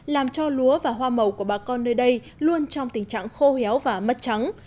làm cho lúa và hoa màu của bà con nơi đây luôn trong tình trạng khô héo và mất trắng